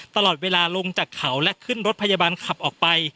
ตลอดเวลาลงจากเขาและขึ้นรถพยาบาลขับออกไป